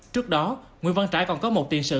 trước đó nguyễn văn trãi còn có một tiền sự